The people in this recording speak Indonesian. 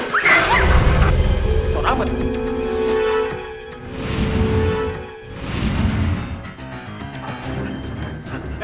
suara apa tuh